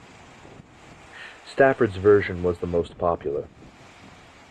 Stafford's version was the most popular.